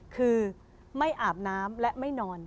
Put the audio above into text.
คือไม่อาบน้ำและไม่นอน